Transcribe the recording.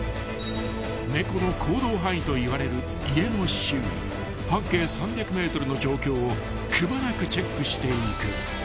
［猫の行動範囲といわれる家の周囲半径３００ｍの状況をくまなくチェックしていく］